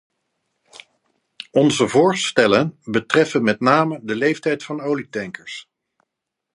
Onze voorstellen betreffen met name de leeftijd van olietankers.